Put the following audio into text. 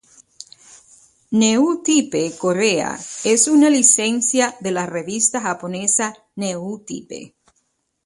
Newtype Corea es una licencia de la revista japonesa Newtype.